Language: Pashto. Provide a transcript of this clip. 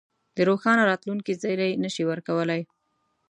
د روښانه راتلونکې زېری نه شي ورکولای.